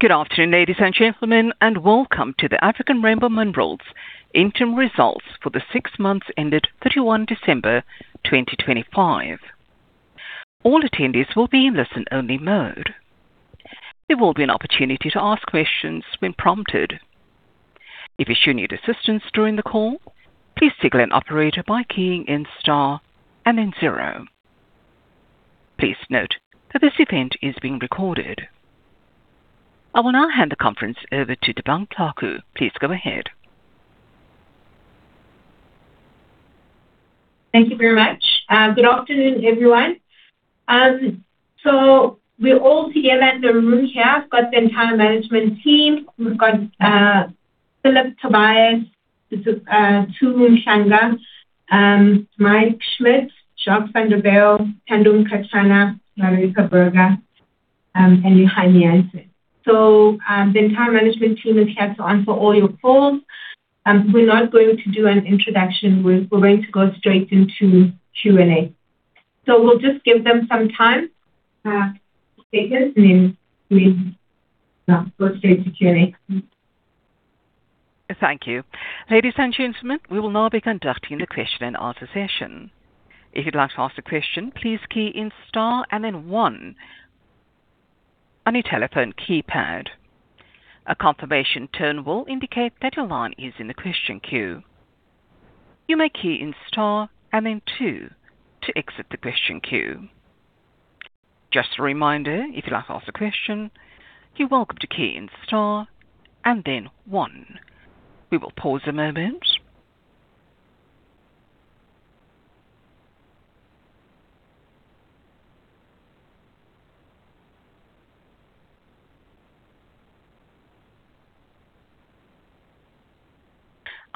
Good afternoon, ladies and gentlemen, welcome to the African Rainbow Minerals interim results for the six months ended 31 December 2025. All attendees will be in listen-only mode. There will be an opportunity to ask questions when prompted. If you should need assistance during the call, please signal an operator by keying in star and then zero. Please note that this event is being recorded. I will now hand the conference over to Thabang Thlaku. Please go ahead. Thank you very much. Good afternoon, everyone. We're all together in the room here. We've got the entire management team. We've got Phillip Tobias, this is Tsundzukani Mhlanga, Mike Schmidt, Jacob van der Bijl, Thando Mkatshana, Maryke Burger, and Johan Jansen. The entire management team is here to answer all your calls. We're not going to do an introduction. We're going to go straight into Q&A. We'll just give them some time to take this, and then we'll go straight to Q&A. Thank you. Ladies and gentlemen, we will now be conducting the question and answer session. If you'd like to ask a question, please key in star and then one on your telephone keypad. A confirmation tone will indicate that your line is in the question queue. You may key in star and then two to exit the question queue. Just a reminder, if you'd like to ask a question, you're welcome to key in star and then one. We will pause a moment.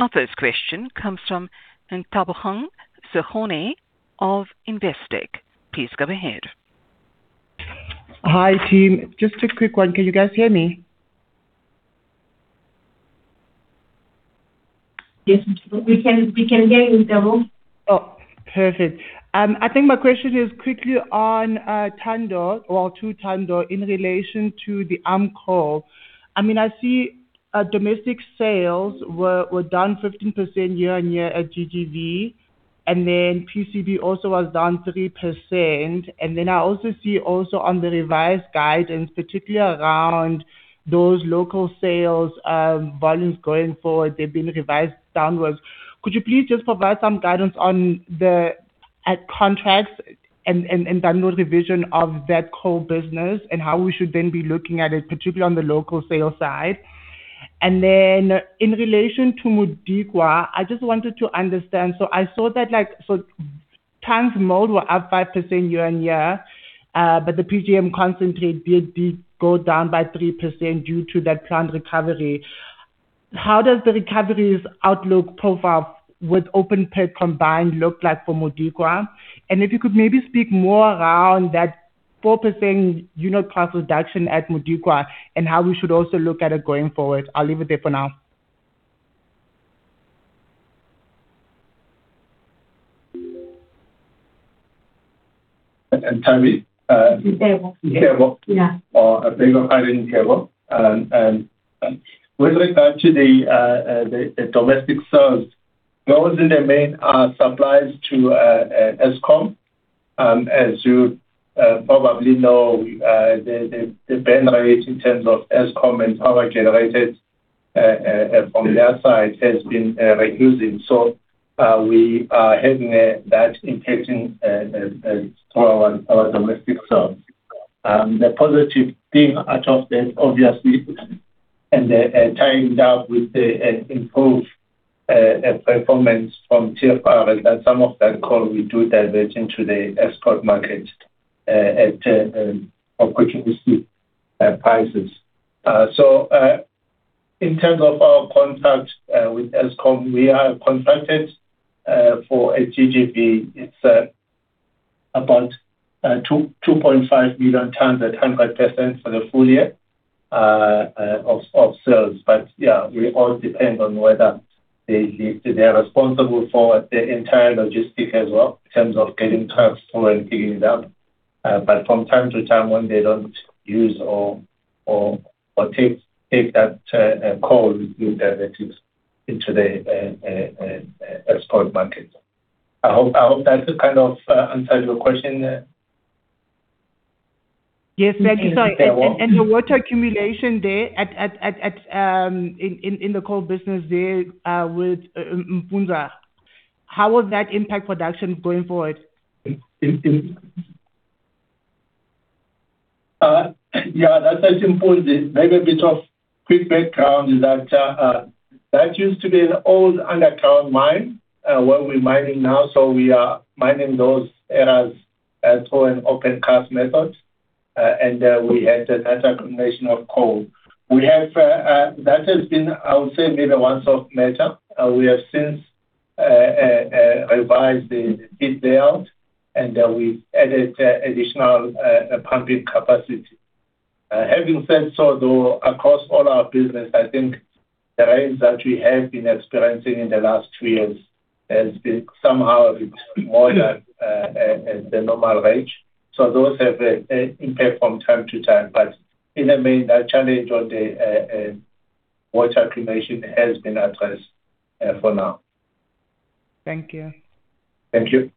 Our first question comes from Nthabong Sehone of Investec. Please go ahead. Hi, team. Just a quick one. Can you guys hear me? Yes, we can hear you, Nthabo. Perfect. I think my question is quickly on Thando or to Thando in relation to the ARM Coal. I mean, I see domestic sales were down 15% year-on-year at GGV, and then PCB also was down 3%. I also see also on the revised guidance, particularly around those local sales, volumes going forward, they've been revised downwards. Could you please just provide some guidance on the contracts and downward revision of that coal business and how we should then be looking at it, particularly on the local sales side? In relation to Modikwa, I just wanted to understand. I saw that like, tons mined were up 5% year-on-year, but the PGM concentrate did go down by 3% due to that planned recovery. How does the recovery's outlook profile with open pit combined look like for Modikwa? If you could maybe speak more around that 4% unit cost reduction at Modikwa and how we should also look at it going forward. I'll leave it there for now. Nthabi? Ntebo. Ntebo. Yeah. I beg your pardon, Ntebo. With regard to the domestic sales, those in the main are suppliers to Eskom. As you probably know, the burn rate in terms of Eskom and power generated from their side has been reducing. We are having that impacting to our domestic sales. The positive thing out of that obviously and tying that with the improved performance from TFR is that some of that coal we do divert into the export markets, of which we receive prices. In terms of our contract with Eskom, we are contracted for a GGV. It's about 2.5 million tonnes at 100% for the full year of sales. Yeah, we all depend on whether they're responsible for the entire logistics as well in terms of getting trucks through and digging it up. From time to time, when they don't use or take that coal, we divert it into the export markets. I hope that kind of answers your question. Yes, thank you. Sorry. The water accumulation there in the coal business there with Impunzi. How will that impact production going forward? Yeah, that's at Impunzi. Maybe a bit of quick background is that that used to be an old underground mine, where we're mining now, so we are mining those areas through an opencast method. We had that accumulation of coal. We have that has been, I would say, maybe a once-off measure. We have since revised the pit layout, and we've added additional pumping capacity. Having said so, though, business, I think the range that we have been experiencing in the last three years has been somehow a bit more than normal range. Those have a impact from time to time. In the main, the challenge of the water accumulation has been addressed for now. Thank you. Thank you.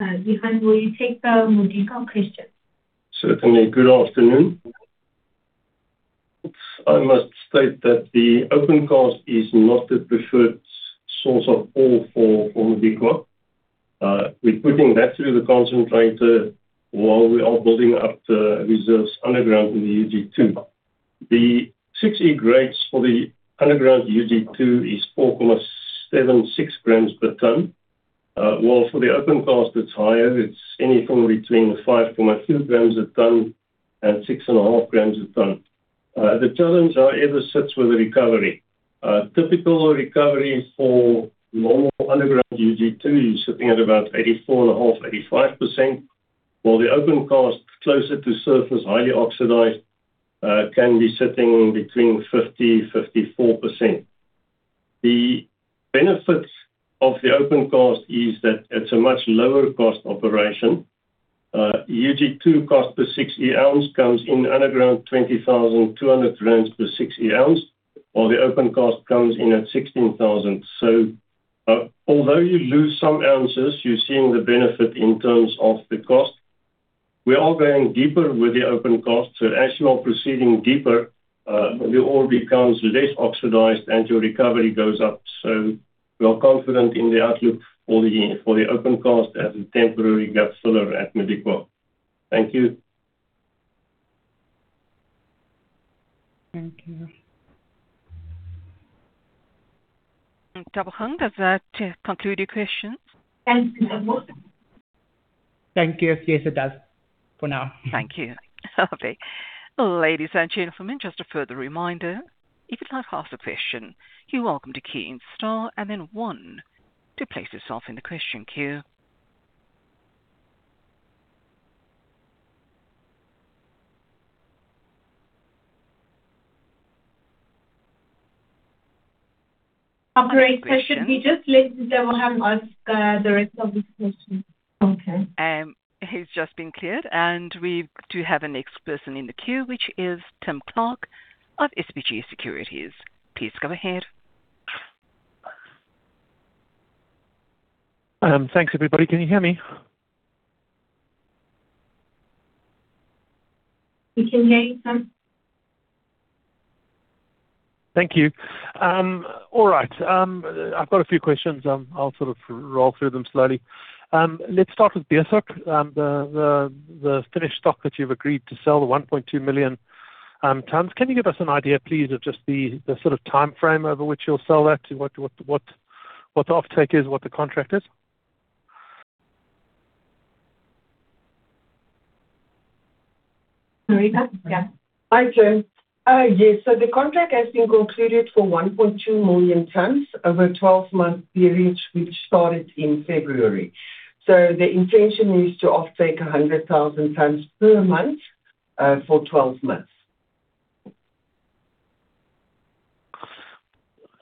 Johan, will you take the Modikwa question? Certainly. Good afternoon. I must state that the open cast is not the preferred source of ore for Modikwa. We're putting that through the concentrator while we are building up the reserves underground in the UG2. The 6E grades for the underground UG2 is 4.76 grams per ton. While for the open cast, it's higher. It's anywhere between 5.2 grams a ton and 6.5 grams a ton. The challenge, however, sits with the recovery. Typical recovery for normal underground UG2 is sitting at about 84.5%-85%. While the open cast, closer to surface, highly oxidized, can be sitting between 50%-54%. The benefits of the open cast is that it's a much lower cost operation. UG2 cost per 6E ounce comes in underground, 20,200 rand per 6E ounce, while the open cost comes in at 16,000. Although you lose some ounces, you're seeing the benefit in terms of the cost. We are going deeper with the open cast, so as you are proceeding deeper, the ore becomes less oxidized and your recovery goes up. We are confident in the outlook for the, for the open cast as a temporary gap filler at Modikwa. Thank you. Thank you. Tabohane, does that conclude your questions? Thank you. Yes, it does for now. Thank you. Ladies and gentlemen, just a further reminder. If you'd like to ask a question, you're welcome to key in star and then one to place yourself in the question queue. Operator, should we just let Tabohane ask, the rest of his questions? Okay. He's just been cleared. We do have a next person in the queue, which is Tim Clark of SBG Securities. Please go ahead. Thanks, everybody. Can you hear me? We can hear you, Tim. Thank you. All right. I've got a few questions. I'll sort of roll through them slowly. Let's start with Beeshoek. The finished stock that you've agreed to sell, the 1.2 million tons. Can you give us an idea, please, of just the sort of timeframe over which you'll sell that? What the offtake is, what the contract is? Maryke? Yeah. Hi, Tim. Yes. The contract has been concluded for 1.2 million tons over a 12-month period, which started in February. The intention is to offtake 100,000 tons per month for 12 months.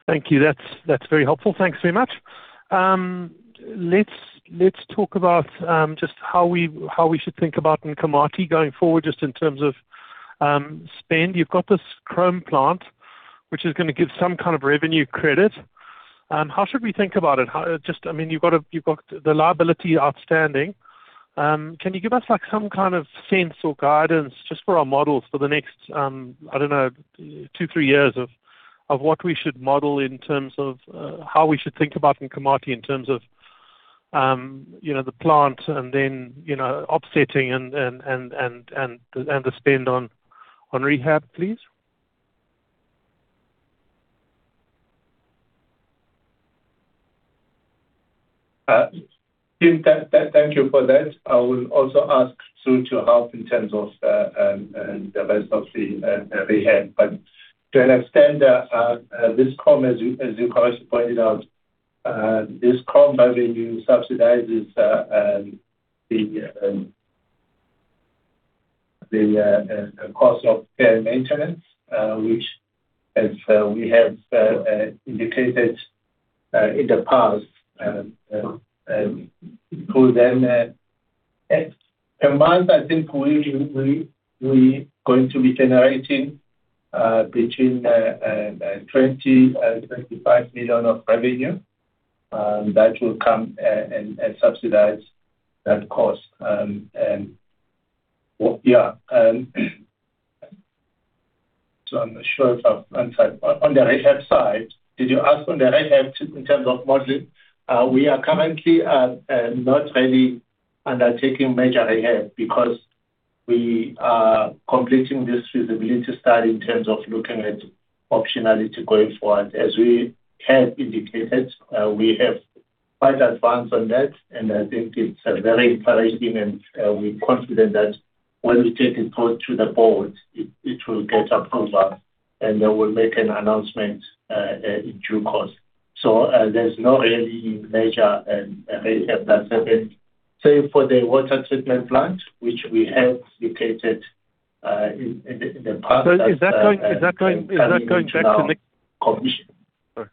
Thank you. That's very helpful. Thanks very much. let's talk about just how we should think about Nkomati going forward, just in terms of spend. You've got this chrome plant, which is gonna give some kind of revenue credit. How should we think about it? Just, I mean, you've got the liability outstanding. Can you give us, like, some kind of sense or guidance just for our models for the next, I don't know, two years, three years of what we should model in terms of how we should think about Nkomati in terms of, you know, the plant and then, you know, offsetting and the spend on rehab, please? Tim, thank you for that. I will also ask Sue to help in terms of the rest of the rehab. To an extent, this chrome, as you correctly pointed out, this chrome revenue subsidizes the cost of care and maintenance, which as we have indicated in the past, through then. Per month, I think we going to be generating between 20 million and 25 million of revenue that will come and subsidize that cost. Well, yeah. I'm sure if I've answered. On the rehab side, did you ask on the rehab in terms of modeling? We are currently not really undertaking major rehab because we are completing this feasibility study in terms of looking at optionality going forward. As we have indicated, we have quite advanced on that, I think it's very encouraging. We're confident that when we take it forward to the board, it will get approval, and then we'll make an announcement in due course. There's no really major rehab that's happened. For the water treatment plant, which we have located. Is that going back to nickel? Commission. Okay.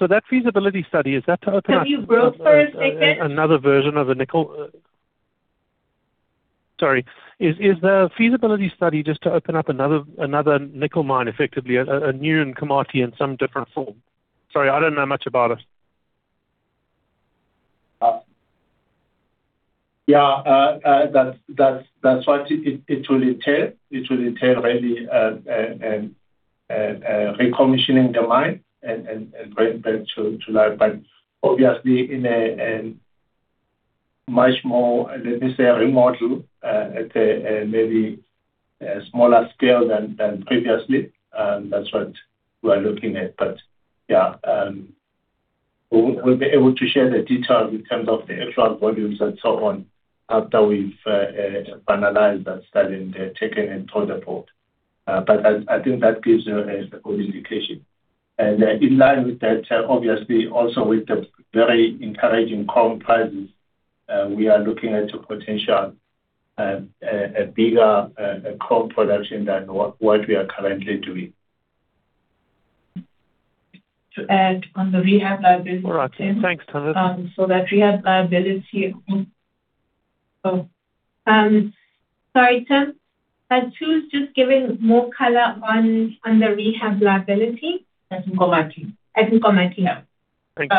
That feasibility study, is that to open up? Can you go for a second? another version of a nickel. Sorry. Is the feasibility study just to open up another nickel mine effectively, a new Nkomati in some different form? Sorry, I don't know much about it. Yeah. That's what it will entail. It will entail really recommissioning the mine and bring it back to life. Obviously in a much more, let me say, a remodel, at a maybe a smaller scale than previously. That's what we are looking at. Yeah, we'll be able to share the details in terms of the actual volumes and so on after we've finalized that study and taken it to the board. I think that gives you a good indication. In line with that, obviously also with the very encouraging chrome prices, we are looking at a potential bigger chrome production than what we are currently doing. To add on the rehab liabilities. All right. Thanks, Thando. Sorry, Tim, to just give in more color on the rehab liability. At Nkomati. At Nkomati, yeah. Thank you.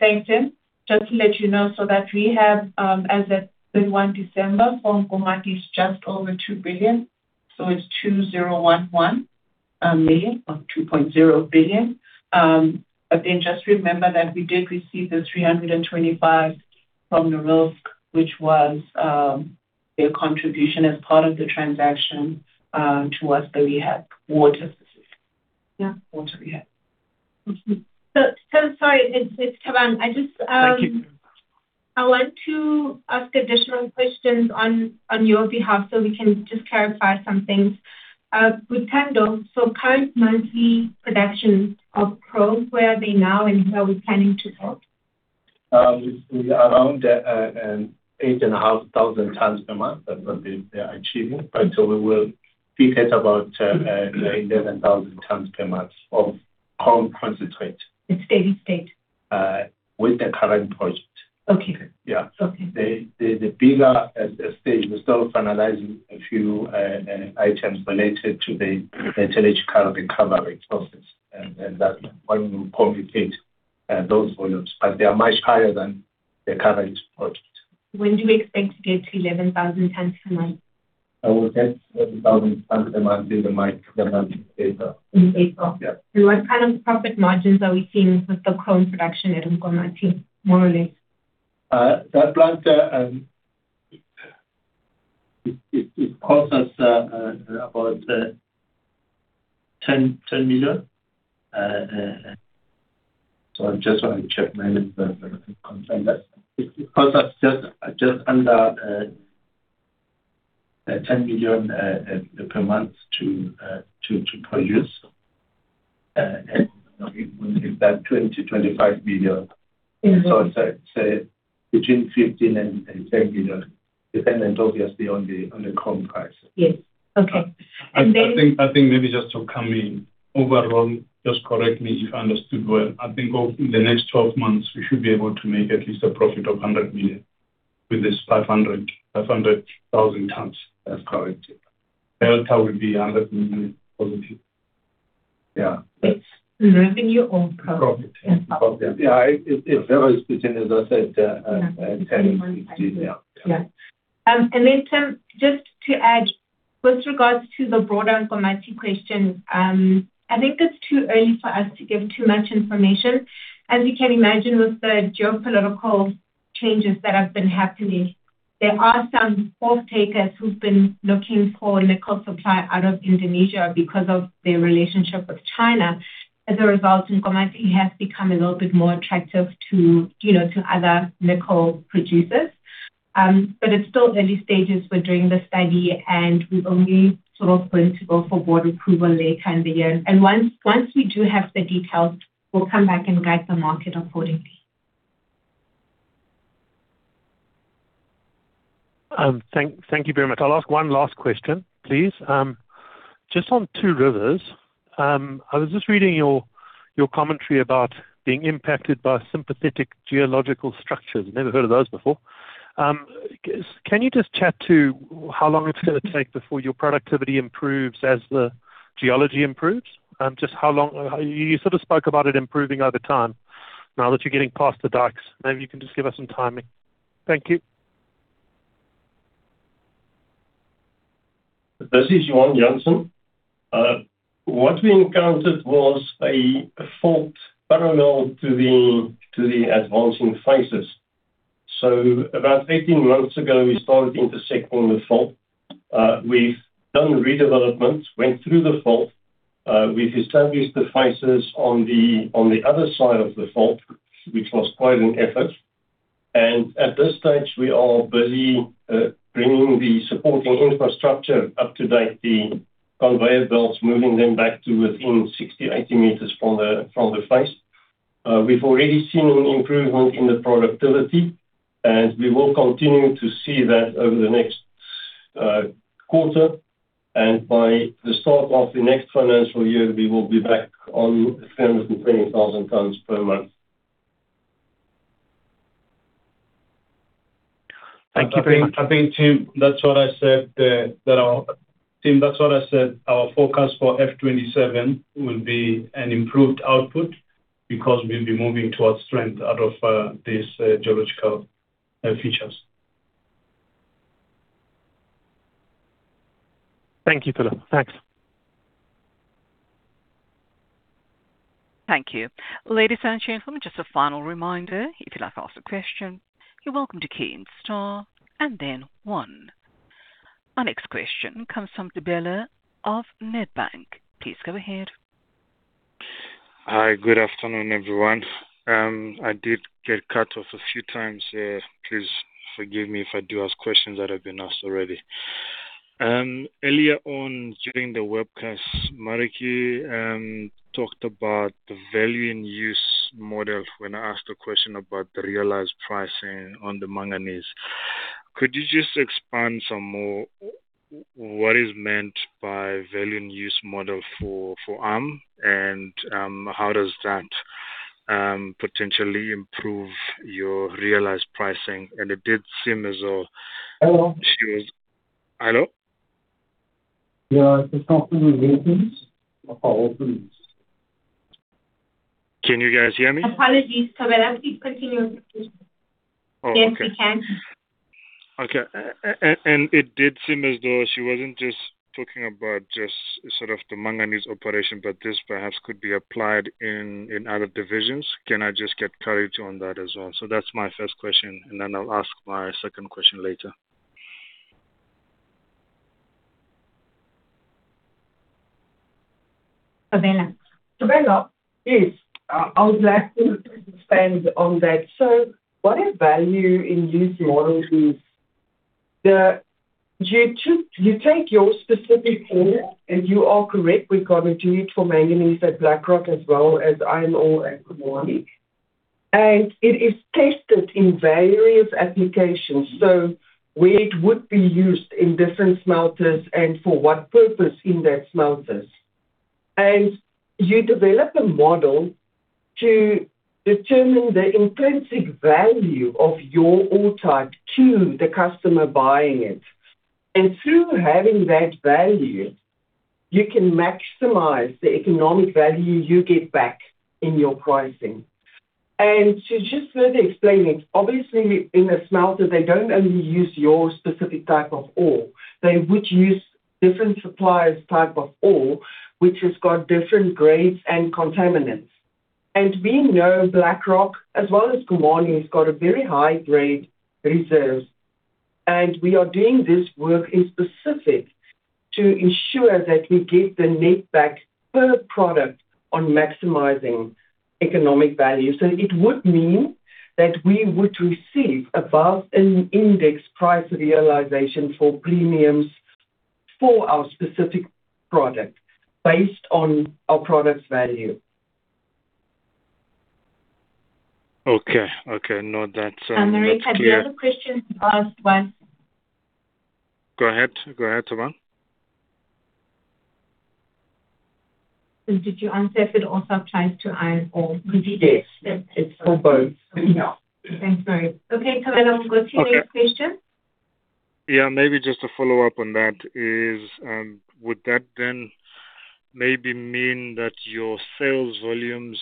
Thanks, Tim. Just to let you know, so that rehab as at 31 December for Nkomati is just over 2 billion, so it's 2,011 million, or 2.0 billion. Again, just remember that we did receive the 325 from Norilsk, which was their contribution as part of the transaction to us, the rehab waters. Yeah. Water rehab. Mm-hmm. So sorry. It's Thabang. Thank you. I want to ask additional questions on your behalf so we can just clarify some things. With Tendo, current monthly production of chrome, where are they now and where are we planning to go? It's around 8,500 tons per month that they're achieving. Okay. We will peak at about 11,000 tons per month of chrome concentrate. The steady state. With the current project. Okay. Yeah. Okay. The bigger stage, we're still finalizing a few items related to the metallurgical carbon recovery process and that one will complicate those volumes. They are much higher than the current project. When do we expect to get to 11,000 tons per month? We'll get to 11,000 tons per month in the month of April. In April? Yeah. What kind of profit margins are we seeing with the chrome production at Nkomati, more or less? That plant, it costs us about 10 million. I just want to check my numbers and confirm that. It costs us under ZAR 10 million per month to produce. It's about 25 million. Mm-hmm. say between 15 million and 10 million, dependent obviously on the chrome price. Yes. Okay. I think maybe just to come in. Overall, just correct me if I understood well. I think over the next 12 months we should be able to make at least a profit of 100 million with this 500,000 tons. Is that correct? Delta will be ZAR 100 million positive. Yeah. It's revenue or profit? Profit. Okay. Yeah. If I was to tend, as I said, 10. Yeah. Yeah. Then Tim, just to add with regards to the broader Nkomati question, I think it's too early for us to give too much information. As you can imagine with the geopolitical changes that have been happening, there are some coke takers who've been looking for nickel supply out of Indonesia because of their relationship with China. As a result, Nkomati has become a little bit more attractive to, you know, to other nickel producers. It's still early stages. We're doing the study and we've only sort of going to go for board approval later in the year. Once we do have the details, we'll come back and guide the market accordingly. Thank you very much. I'll ask one last question, please. Just on Two Rivers. I was just reading your commentary about being impacted by sympathetic geological structures. Never heard of those before. Can you just chat to how long it's gonna take before your productivity improves as the geology improves? Just how long... You sort of spoke about it improving over time now that you're getting past the dikes. Maybe you can just give us some timing. Thank you. This is Johan Jansen. What we encountered was a fault parallel to the advancing faces. About 18 months ago we started intersecting the fault. We've done redevelopments, went through the fault. We've established the faces on the other side of the fault, which was quite an effort. At this stage we are busy bringing the supporting infrastructure up to date, the conveyor belts, moving them back to within 60 meters, 80 meters from the, from the face. We've already seen an improvement in the productivity, and we will continue to see that over the next quarter. By the start of the next financial year, we will be back on 720,000 tons per month. Thank you very much. I think, Tim, that's what I said there, Tim, that's what I said. Our forecast for FY27 will be an improved output because we'll be moving towards strength out of these geological features. Thank you, Phillip. Thanks. Thank you. Ladies and gentlemen, just a final reminder, if you'd like to ask a question, you're welcome to key in star and then one. Our next question comes from Thobela of Nedbank. Please go ahead. Hi. Good afternoon, everyone. I did get cut off a few times there. Please forgive me if I do ask questions that have been asked already. Earlier on, during the webcast, Mariki talked about the value-in-use model when I asked a question about the realized pricing on the manganese. Could you just expand some more what is meant by value-in-use model for ARM and how does that potentially improve your realized pricing? It did seem as though- Hello. Hello? Yeah. It's not in the open. Our open. Can you guys hear me? Apologies, Thobela. Please continue with your question. Oh, okay. Yes, we can. Okay. It did seem as though she wasn't just talking about just sort of the manganese operation, but this perhaps could be applied in other divisions. Can I just get clarity on that as well? That's my first question, and then I'll ask my second question later. Thabela. Thobela. Yes. I would like to expand on that. What a value-in-use model is, you take your specific ore, and you are correct. We've got it for manganese at Black Rock as well as iron ore at Khumani. It is tested in various applications, so where it would be used in different smelters and for what purpose in that smelters. You develop a model to determine the intrinsic value of your ore type to the customer buying it. Through having that value, you can maximize the economic value you get back in your pricing. To just further explain it, obviously in a smelter they don't only use your specific type of ore. They would use different suppliers' type of ore, which has got different grades and contaminants. We know Black Rock as well as Khumani has got a very high-grade reserves. We are doing this work in specific to ensure that we get the net back per product on maximizing economic value. It would mean that we would receive above an index price realization for premiums for our specific product based on our product's value. Okay. Okay. Now that's clear. Mariki, had the other question asked? Go ahead. Go ahead, Thabela. Did you answer for also applied to iron ore? Yes. Yes. It's for both. Yeah. Thanks very much. Okay, Thabela, we'll go to your question. Yeah. Maybe just to follow up on that is, would that then maybe mean that your sales volumes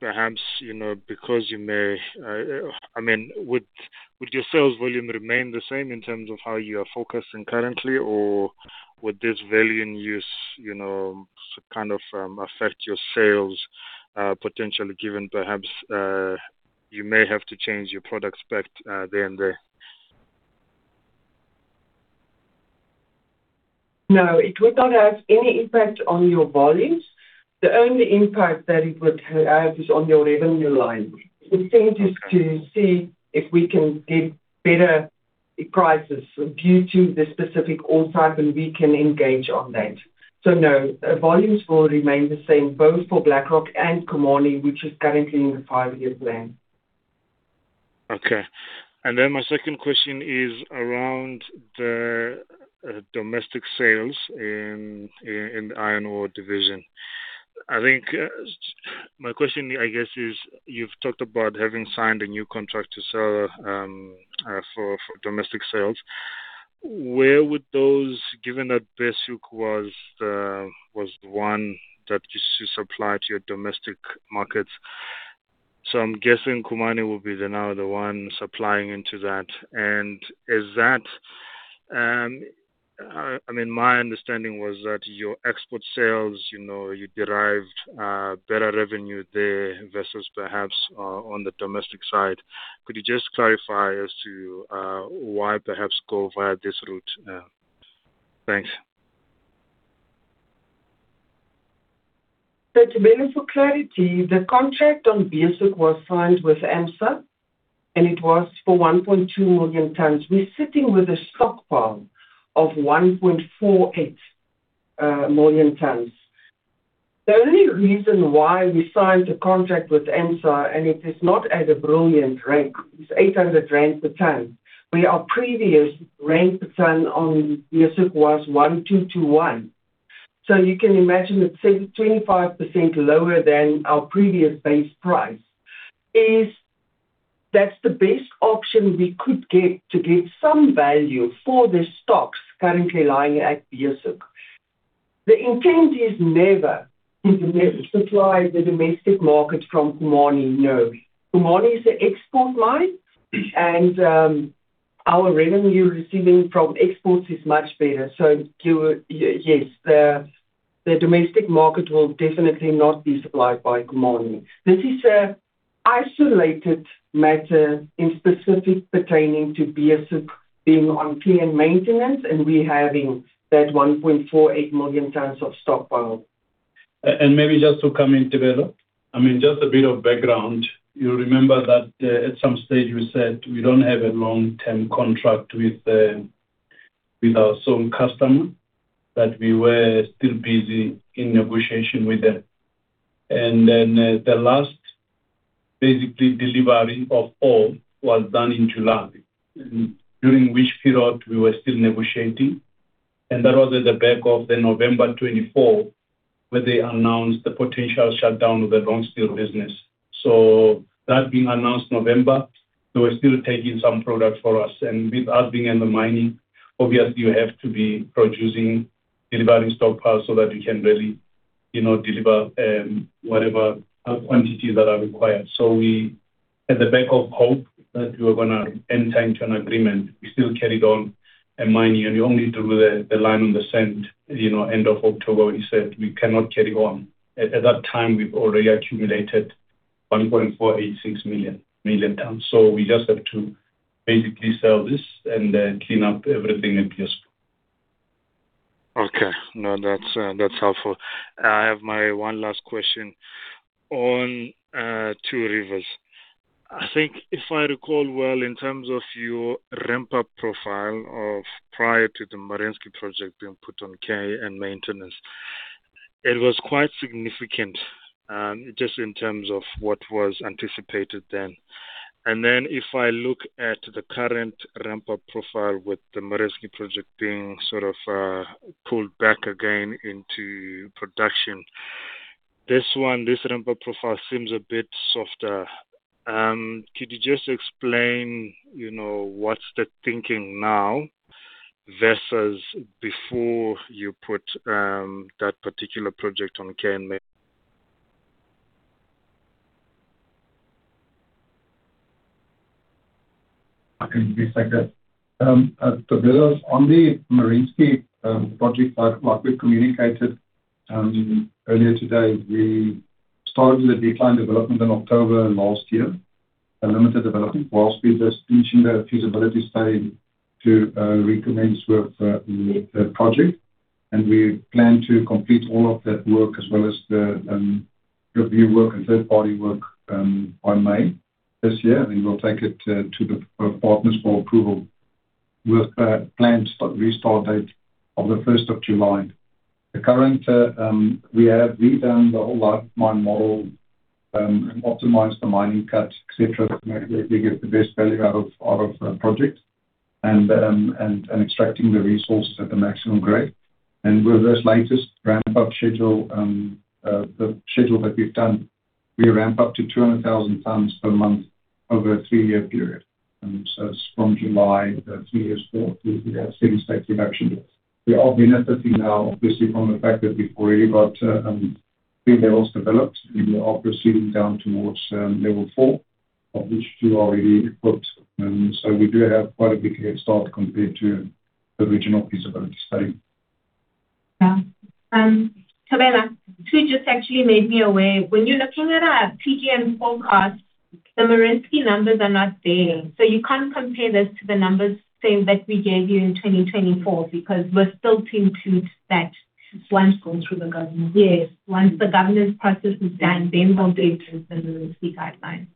perhaps, you know, because you may, I mean, would your sales volume remain the same in terms of how you are focusing currently, or would this value-in-use, you know, kind of, affect your sales, potentially given perhaps, you may have to change your product spec then there? It would not have any impact on your volumes. The only impact that it would have is on your revenue line. The thing is to see if we can get better prices due to the specific ore type, and we can engage on that. Volumes will remain the same both for Black Rock and Khumani, which is currently in the five-year plan. Okay. Then my second question is around the domestic sales in the iron ore division. I think, my question I guess is you've talked about having signed a new contract to sell for domestic sales. Where would those, given that Sishen was the one that used to supply to your domestic markets. I'm guessing Khumani will be the now the one supplying into that. Is that, I mean, my understanding was that your export sales, you know, you derived better revenue there versus perhaps on the domestic side. Could you just clarify as to why perhaps go via this route now? Thanks. To bring it for clarity, the contract on Beeshoek was signed with AMSA, and it was for 1.2 million tons. We're sitting with a stockpile of 1.48 million tons. The only reason why we signed a contract with AMSA, and it is not at a brilliant rate, it's 800 rand per ton, where our previous rate per ton on Beeshoek was 1,221. You can imagine it's 25% lower than our previous base price. That's the best option we could get to get some value for the stocks currently lying at Beeshoek. The intent is never to supply the domestic market from Khumani. No. Khumani is a export mine, and our revenue receiving from exports is much better. Yes, the domestic market will definitely not be supplied by Khumani. This is a isolated matter in specific pertaining to Beeshoek being on care and maintenance, and we having that 1.48 million tons of stockpile. Maybe just to come in, Thobela. I mean, just a bit of background. You remember that, at some stage we said we don't have a long-term contract with our SOAM customer, that we were still busy in negotiation with them. Then, the last basically delivery of ore was done in July, during which period we were still negotiating. That was at the back of the November 24th, where they announced the potential shutdown of the long steel business. That being announced November, they were still taking some product for us. With us being in the mining, obviously you have to be producing, delivering stockpiles so that you can really, you know, deliver whatever quantities that are required. We, at the back of hope that we were gonna enter into an agreement, we still carried on mining, and we only drew the line in the sand, you know, end of October when we said we cannot carry on. At that time, we've already accumulated 1.486 million tons. We just have to basically sell this and then clean up everything at Beeshoek. Okay. No, that's helpful. I have my one last question on Two Rivers. I think if I recall well, in terms of your ramp-up profile of prior to the Merensky project being put on care and maintenance, it was quite significant, just in terms of what was anticipated then. If I look at the current ramp-up profile with the Merensky project being sort of pulled back again into production, this one, this ramp-up profile seems a bit softer. Could you just explain, you know, what's the thinking now versus before you put that particular project on care and main? I can just take that. Thobela, on the Merensky project, like we communicated earlier today, we started the decline development in October of last year, a limited development, whilst we were finishing the feasibility study to recommence with the project. We plan to complete all of that work as well as the review work and third-party work by May this year. We'll take it to the partners for approval with a planned restart date of the first of July. The current, we have redone the whole life of mine model and optimized the mining cut, et cetera, to make we get the best value out of the project and extracting the resource at the maximum grade. With this latest ramp-up schedule, the schedule that we've done, we ramp up to 200,000 tons per month over a three-year period. It's from July, three years forward, we have steady-state production. We are benefiting now obviously from the fact that we've already got, three levels developed, and we are proceeding down towards, level four, of which two are already equipped. We do have quite a big head start compared to the original feasibility study. Yeah. Thobela just actually made me aware. When you're looking at our PGM forecast, the Merensky numbers are not there. You can't compare this to the numbers, same, that we gave you in 2024 because we're still to include that once going through the governance. Yes. Once the governance process is done, we'll be able to include the Merensky guidelines.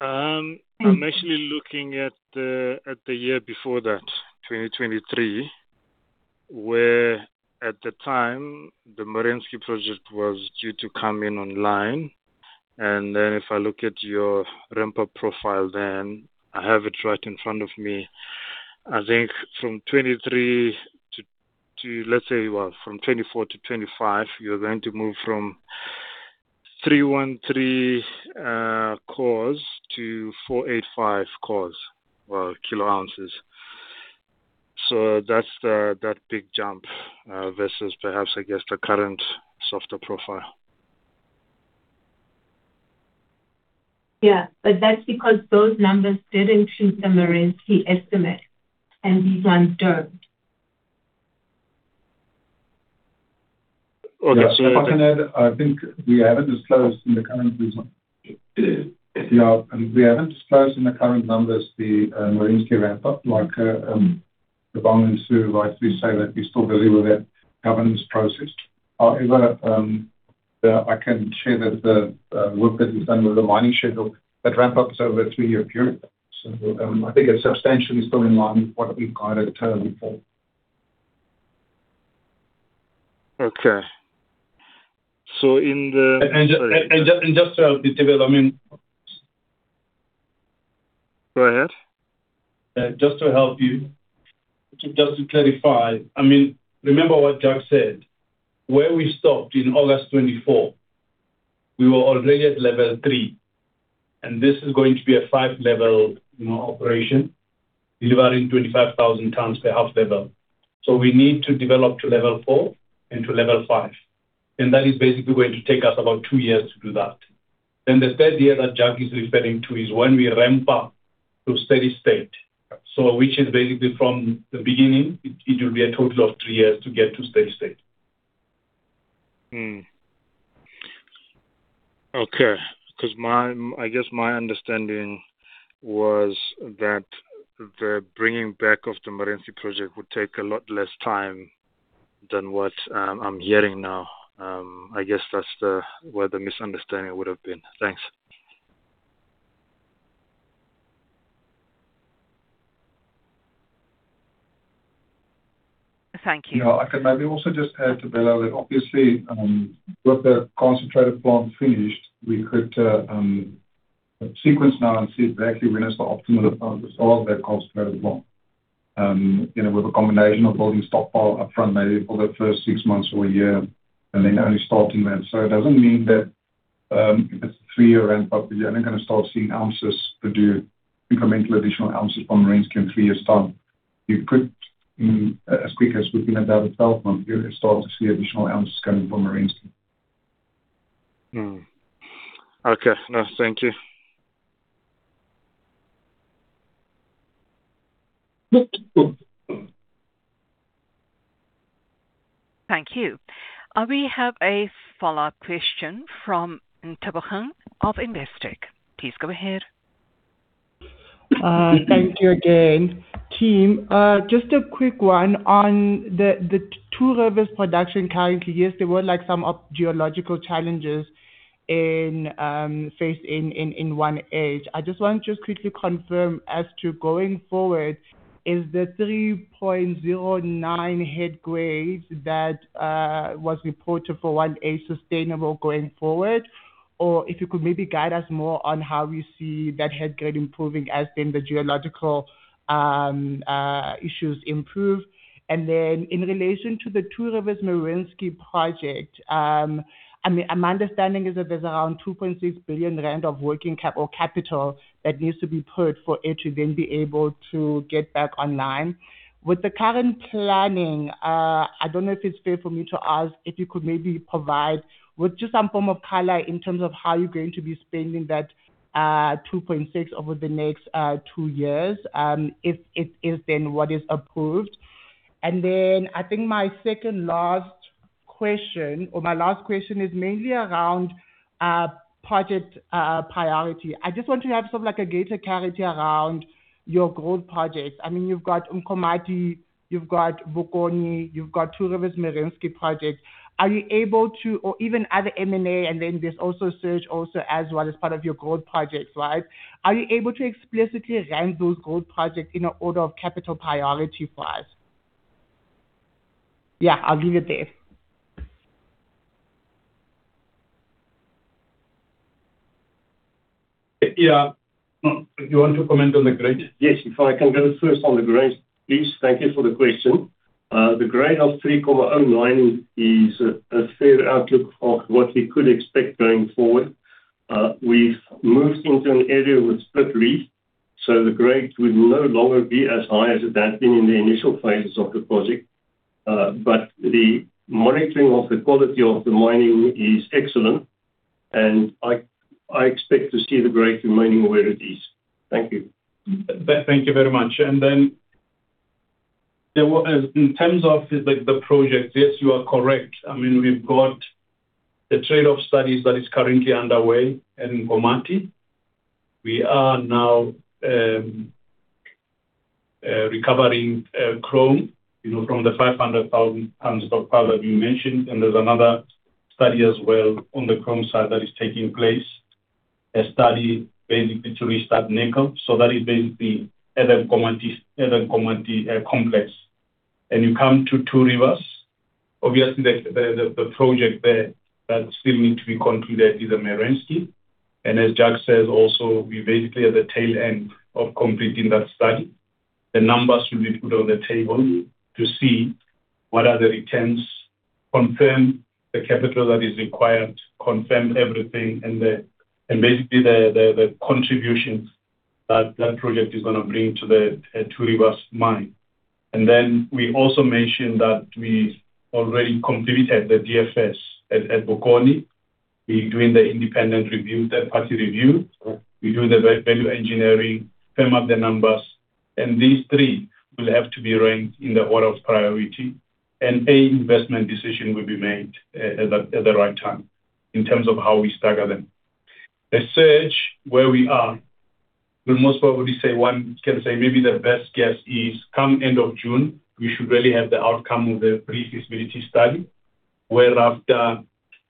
I'm actually looking at the, at the year before that, 2023, where at the time the Merensky project was due to come in online. If I look at your ramp-up profile, then I have it right in front of me. I think from 23 to let's say, from 24 to 25, you're going to move from 313 koz to 485 koz. Kilo ounces. That's the, that big jump versus perhaps I guess the current softer profile. Yeah. That's because those numbers didn't include the Merensky estimate, and these ones don't. If I can add, I think we haven't disclosed in the current reason. Yeah. We haven't disclosed in the current numbers the Merensky ramp-up like Thabang and Sue, like we say, that we still deliver that governance process. However, I can share that the work that is done with the mining schedule, that ramp up is over a three-year period. I think it's substantially still in line with what we've guided internally for. Okay. Just, Thabiso, I mean... Go ahead. Just to help you. Just to clarify. I mean, remember what Jacques said. Where we stopped in August 2024, we were already at level three. This is going to be a five-level, you know, operation delivering 25,000 tons per half level. We need to develop to level four and to level five. That is basically going to take us about two years to do that. The third year that Jacques is referring to is when we ramp up to steady state. Which is basically from the beginning, it will be a total of three years to get to steady state. Okay. 'Cause I guess my understanding was that the bringing back of the Merensky project would take a lot less time than what I'm hearing now. I guess that's the, where the misunderstanding would have been. Thanks. Thank you. I can maybe also just add, Thabiso, that obviously, with the concentrated plant finished, we could sequence now and see exactly when is the optimal amount to solve that concentrated plant. You know, with a combination of building stockpile upfront, maybe for the first six months or one year, and then only starting that. It doesn't mean that, if it's a three-year ramp-up, you're only gonna start seeing ounces produce, incremental additional ounces from Merensky in three years time. You could, as quick as within the other 12 months, you'll start to see additional ounces coming from Merensky. Okay. No, thank you. Thank you. We have a follow-up question from Ntebogang of Investec. Please go ahead. Thank you again, team. Just a quick one on the Two Rivers production currently. Yes, there were some geological challenges in phase, in one age. I just want to quickly confirm as to going forward, is the 3.09 head grades that was reported for one age sustainable going forward? If you could maybe guide us more on how you see that head grade improving as the geological issues improve. In relation to the Two Rivers Merensky project, I mean, my understanding is that there's around 2.6 billion rand of working cap or capital that needs to be put for it to be able to get back online. With the current planning, I don't know if it's fair for me to ask if you could maybe provide with just some form of color in terms of how you're going to be spending that 2.6 over the next two years, if it is then what is approved. I think my second last question or my last question is mainly around project priority. I just want to have sort of like a greater clarity around your growth projects. I mean, you've got Nkomati, you've got Bokoni, you've got Two Rivers Merensky projects. Or even other M&A, and then there's also Surge also as well as part of your growth projects, right? Are you able to explicitly rank those growth projects in a order of capital priority for us? I'll leave it there. Yeah. You want to comment on the grade? Yes. If I can go first on the grades, please. Thank you for the question. The grade of 3.09 is a fair outlook of what we could expect going forward. We've moved into an area with split reef, so the grades would no longer be as high as it had been in the initial phases of the project. The monitoring of the quality of the mining is excellent, and I expect to see the grade remaining where it is. Thank you. Thank you very much. In terms of the project, yes, you are correct. I mean, we've got the trade-off studies that is currently underway at Nkomati. We are now recovering chrome, you know, from the 500,000 tons stockpile that you mentioned. There's another study as well on the chrome side that is taking place. A study basically to restart Nkomati. That is basically at Nkomati complex. You come to Two Rivers. Obviously, the project there that still need to be concluded is the Merensky. As Jacques says also, we're basically at the tail end of completing that study. The numbers will be put on the table to see what are the returns, confirm the capital that is required, confirm everything basically the contributions that that project is gonna bring to the Two Rivers Mine. We also mentioned that we already completed the DFS at Bokoni. We're doing the independent review, third-party review. We're doing the value engineering, firm up the numbers. These three will have to be ranked in the order of priority, and a investment decision will be made at the, at the right time in terms of how we stagger them. Surge where we are will most probably say one can say maybe the best guess is come end of June, we should really have the outcome of the pre-feasibility study, whereafter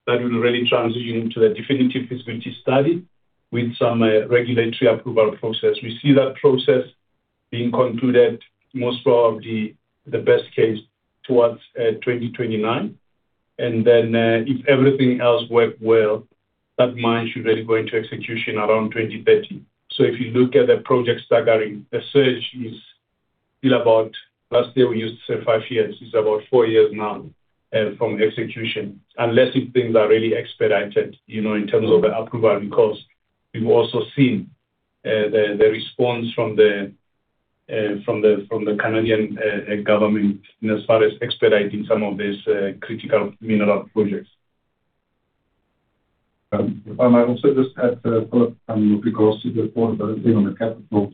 that will really transition into a definitive feasibility study with some regulatory approval process. We see that process being concluded most probably the best case towards 2029. If everything else work well, that mine should really go into execution around 2030. If you look at the project staggering, the Surge is still about last year, we used to say five years. It's about 4 years now, from execution, unless if things are really expedited, you know, in terms of the approval, because we've also seen the response from the Canadian government in as far as expediting some of these critical mineral projects. If I might also just add, Philip, with regards to the point around being on the capital,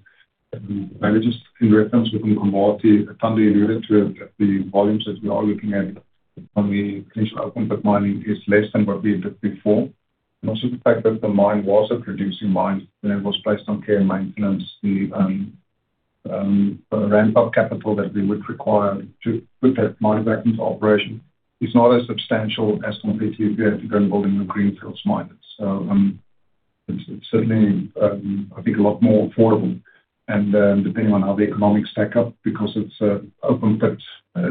I just in reference with Umalati, Thandi alluded to it, that the volumes that we are looking at from the potential output mining is less than what we had before. Also the fact that the mine was a producing mine when it was placed on care and maintenance. The ramp-up capital that we would require to put that mine back into operation is not as substantial as completely if you had to go and build a new greenfields mine. It's, it's certainly, I think a lot more affordable. Depending on how the economics stack up because it's open pit,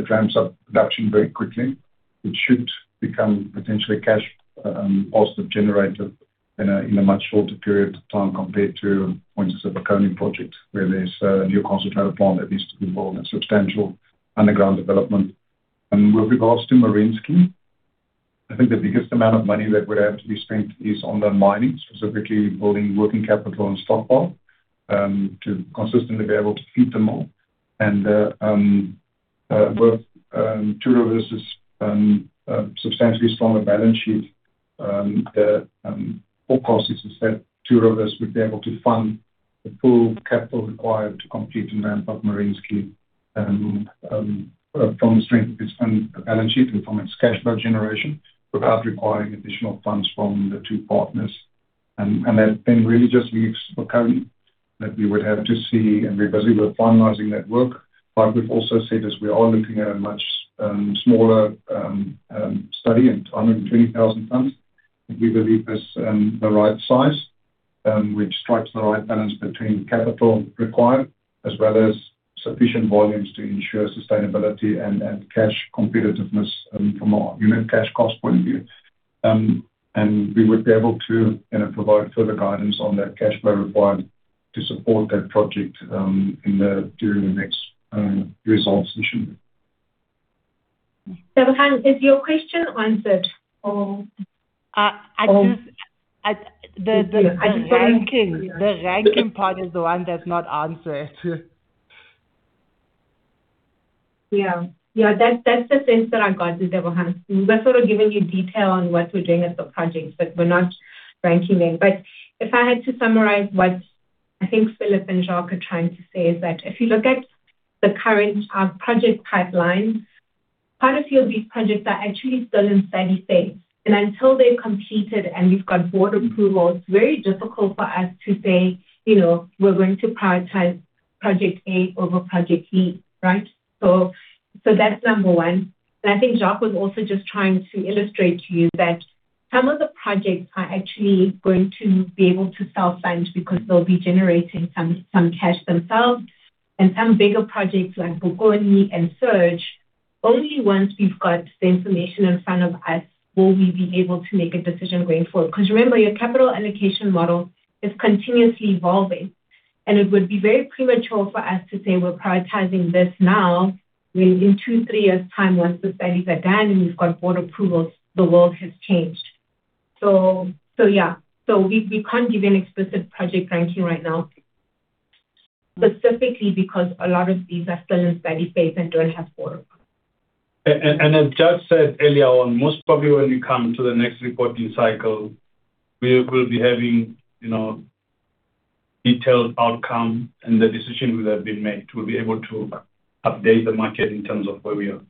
ramps up production very quickly. It should become potentially cash positive generator in a much shorter period of time compared to points of a Bokoni project where there's a new concentrate plant that needs to be built and substantial underground development. With regards to Merensky, I think the biggest amount of money that would have to be spent is on the mining, specifically building working capital and stockpile to consistently be able to feed the mill. With Two Rivers is substantially stronger balance sheet. The all costs is that Two Rivers would be able to fund the full capital required to complete the ramp-up Merensky from the strength of its balance sheet and from its cash flow generation, without requiring additional funds from the two partners. That then really just leaves Bokoni that we would have to see and we're busy with finalizing that work. We've also said as we are looking at a much smaller study and 120,000 tons, we believe is the right size, which strikes the right balance between capital required as well as sufficient volumes to ensure sustainability and cash competitiveness from a unit cash cost point of view. We would be able to, you know, provide further guidance on that cash flow required to support that project during the next results issue. Ntebogang, is your question answered? Uh, I just- Um. The ranking. I just wanted- The ranking part is the one that's not answered. Yeah. Yeah. That's, that's the sense that I got, Ntebogang. We were sort of giving you detail on what we're doing with the projects, but we're not ranking them. If I had to summarize what I think Phillip and Jacques are trying to say is that if you look at the current project pipeline, part of few of these projects are actually still in study phase. Until they've completed and we've got board approval, it's very difficult for us to say, you know, we're going to prioritize project A over project B, right? That's number one. I think Jacques was also just trying to illustrate to you that some of the projects are actually going to be able to self-fund because they'll be generating some cash themselves. Some bigger projects like Bokoni and Surge, only once we've got the information in front of us will we be able to make a decision going forward. Remember, your capital allocation model is continuously evolving, and it would be very premature for us to say we're prioritizing this now when in two, three years time, once the studies are done and we've got board approvals, the world has changed. Yeah. We, we can't give an explicit project ranking right now, specifically because a lot of these are still in study phase and don't have board. As Jacques said earlier on, most probably when we come to the next reporting cycle, we will be having, you know, detailed outcome and the decisions that have been made. We'll be able to update the market in terms of where we are.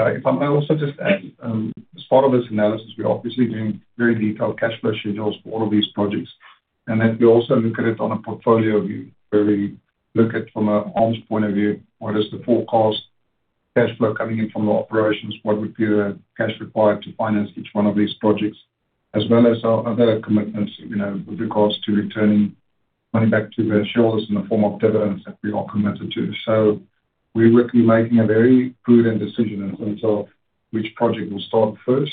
If I might also just add, as part of this analysis, we're obviously doing very detailed cash flow schedules for all of these projects. We also look at it on a portfolio view where we look at from an ARM's point of view, what is the forecast cash flow coming in from the operations, what would be the cash required to finance each one of these projects, as well as our other commitments, you know, with regards to returning money back to the shareholders in the form of dividends that we are committed to. We would be making a very prudent decision in terms of which project will start first.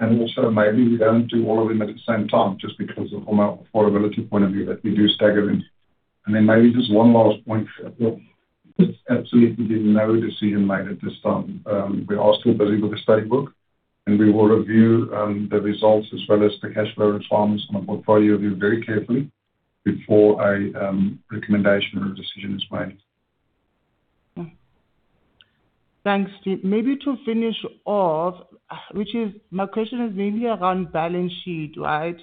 Also maybe we don't do all of them at the same time just because from a affordability point of view that we do stagger them. Maybe just one last point, there's absolutely been no decision made at this time. We are still busy with the study work, and we will review the results as well as the cash flow requirements from a portfolio view very carefully before a recommendation or decision is made. Thanks, team. Maybe to finish off, which is my question is mainly around balance sheet, right?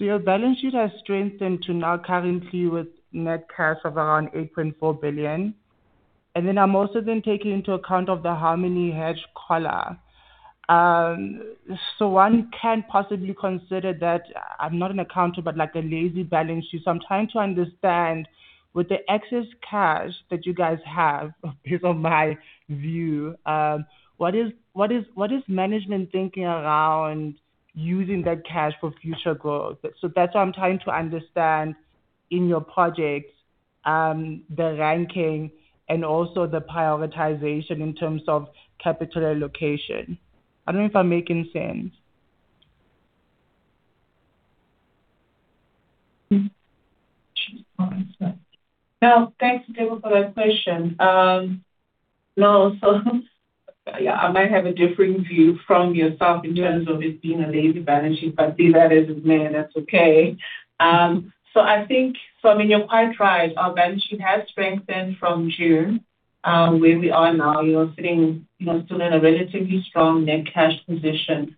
Your balance sheet has strengthened to now currently with net cash of around 8.4 billion. I'm also then taking into account of the Harmony collar. One can possibly consider that I'm not an accountant, but like a lazy balance sheet. I'm trying to understand, with the excess cash that you guys have, because of my view, what is management thinking around using that cash for future growth? That's why I'm trying to understand in your projects, the ranking and also the prioritization in terms of capital allocation. I don't know if I'm making sense. No, thanks, Ntebogang, for that question. No, yeah, I might have a differing view from yourself in terms of it being a lazy balance sheet, but see that as it may, that's okay. I mean, you're quite right. Our balance sheet has strengthened from June, where we are now, you know, sitting, you know, still in a relatively strong net cash position.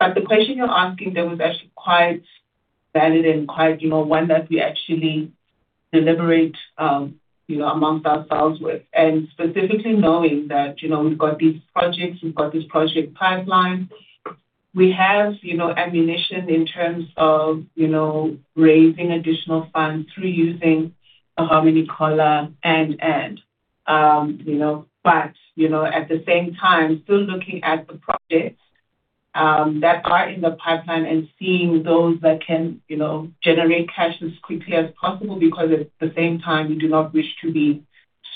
The question you're asking there was actually quite valid and quite, you know, one that we actually deliberate, you know, amongst ourselves with, and specifically knowing that, you know, we've got these projects, we've got this project pipeline. We have, you know, ammunition in terms of, you know, raising additional funds through using the Harmony collar and, you know. You know, at the same time, still looking at the projects that are in the pipeline and seeing those that can, you know, generate cash as quickly as possible, because at the same time, you do not wish to be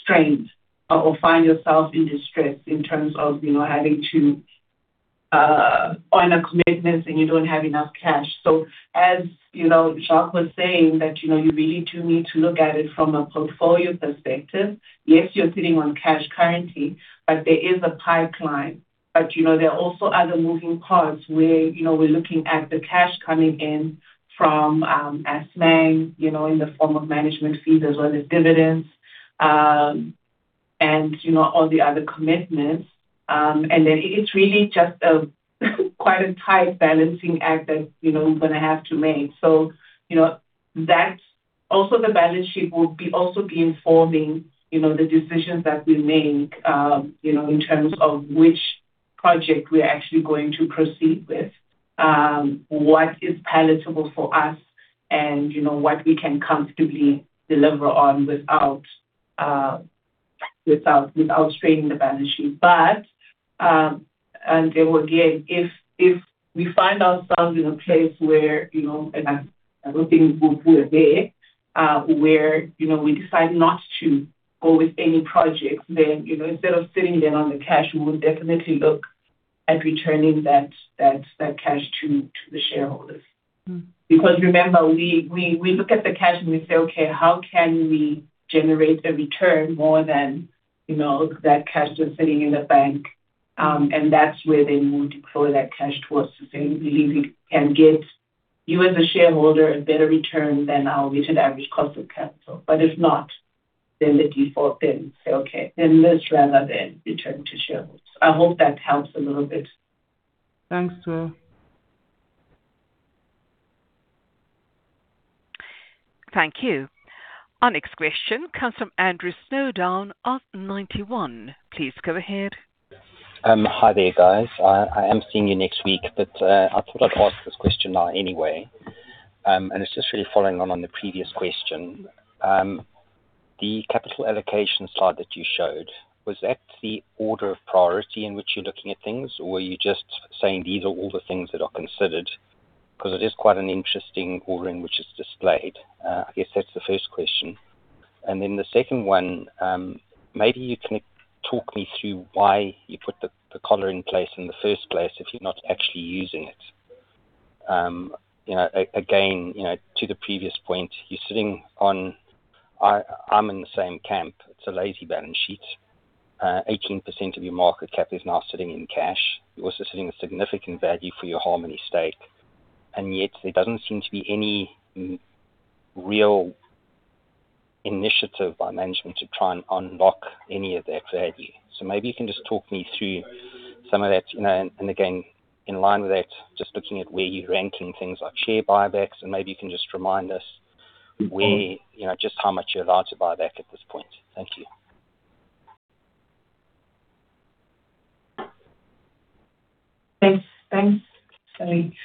strained or find yourself in distress in terms of, you know, having to honor commitments and you don't have enough cash. As you know, Jacques was saying that, you know, you really do need to look at it from a portfolio perspective. Yes, you're sitting on cash currency, but there is a pipeline. You know, there are also other moving parts where, you know, we're looking at the cash coming in from Assmang, you know, in the form of management fees as well as dividends, and you know, all the other commitments. It is really just a quite a tight balancing act that, you know, we're gonna have to make. You know, that's also the balance sheet will be also be informing, you know, the decisions that we make, you know, in terms of which project we're actually going to proceed with, what is palatable for us and you know, what we can comfortably deliver on without straining the balance sheet. Again, if we find ourselves in a place where, you know, and I don't think we're there, where, you know, we decide not to go with any projects, then, you know, instead of sitting there on the cash, we would definitely look at returning that cash to the shareholders. Because remember, we look at the cash and we say, "Okay, how can we generate a return more than, you know, that cash just sitting in the bank?" That's where then we would deploy that cash towards to say, "We believe we can get you as a shareholder a better return than our weighted average cost of capital." If not, then the default, then we say, "Okay, then let's rather return to shareholders." I hope that helps a little bit. Thanks. Thank you. Our next question comes from Andrew Snowden of Ninety One. Please go ahead. Hi there, guys. I am seeing you next week, I thought I'd ask this question now anyway. It's just really following on the previous question. The capital allocation slide that you showed, was that the order of priority in which you're looking at things, or were you just saying these are all the things that are considered? 'Cause it is quite an interesting order in which it's displayed. I guess that's the first question. The second one, maybe you can talk me through why you put the collar in place in the first place if you're not actually using it. You know, again, you know, to the previous point, you're sitting on... I'm in the same camp. It's a lazy balance sheet. 18% of your market cap is now sitting in cash. You're also sitting a significant value for your Harmony stake, and yet there doesn't seem to be any real initiative by management to try and unlock any of that value. Maybe you can just talk me through some of that, you know, and again, in line with that, just looking at where you're ranking things like share buybacks, and maybe you can just remind us where, you know, just how much you're allowed to buy back at this point? Thank you. Thanks. Sorry.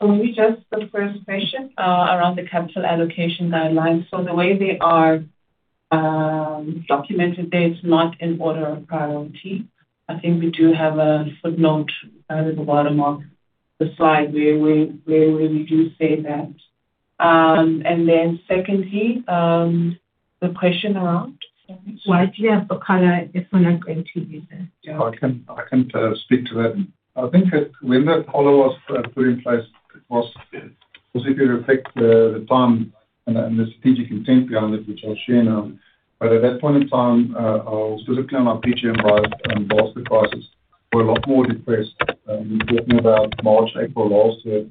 Let me just the first question around the capital allocation guidelines. The way they are documented there, it's not in order of priority. I think we do have a footnote at the bottom of the slide where we do say that. Secondly, the question around why do you have the collar if we're not going to use it? Yeah. I can speak to that. I think that when that collar was put in place, it was specifically to protect the farm and the strategic intent behind it, which I'll share now. At that point in time, specifically on our PGM and basket prices were a lot more depressed. We're talking about March, April last year,